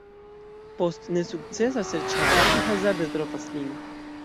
Post nesukcesa serĉado, li hazarde trovas lin.